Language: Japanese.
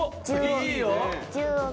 いいよ！